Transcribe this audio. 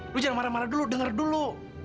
lu jangan marah marah dulu denger dulu